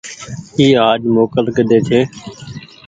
اي آج موڪل ڪيۮي ڇي۔